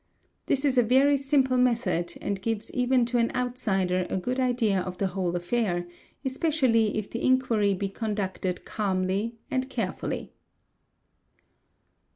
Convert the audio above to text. This is a very simple method and gives even to an outsider a good idea of the whole affair, especially if the inquiry be conducted calmly and carefully.